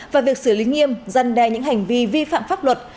và việc xử lý nghiêm dân đe những hành vi vi phạm pháp luật